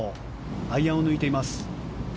アイアンを抜いています。